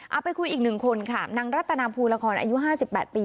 เอาไปคุยอีกหนึ่งคนค่ะนางรัฐนาภูราคอนอายุห้าสิบแปดปี